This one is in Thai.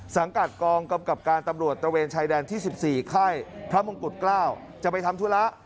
สังกัดกองกำกับการตำรวจตระเวนชายแดนที่๑๔ค่ายพระมงกุฎเกล้าจะไปทำธุระ